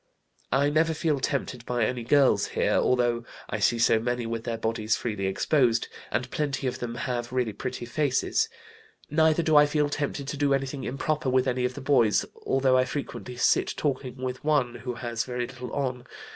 "I never feel tempted by any girls here, although I see so many with their bodies freely exposed, and plenty of them have really pretty faces. Neither do I feel tempted to do anything improper with any of the boys, although I frequently sit talking with one who has very little on.